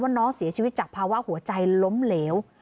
น้องเสียชีวิตจากภาวะหัวใจล้มเหลว